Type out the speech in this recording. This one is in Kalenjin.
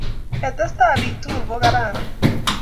ketesta bik tugul ko kararan